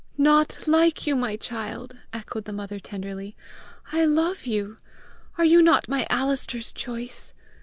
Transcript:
"Not like you, my child!" echoed the mother tenderly. "I love you! Are you not my Alister's choice?